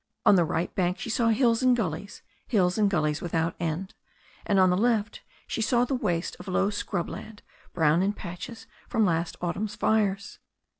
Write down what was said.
On the right bank she saw hills and gullies, hills and gullies with out end, and on the left she saw the waste of low scrub land, brown in patches from last autumn's fires.